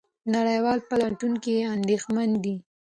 نړیوال پلټونکي اندېښمن دي.